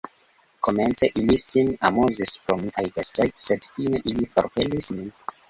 Komence ili sin amuzis pro miaj gestoj, sed fine ili forpelis min.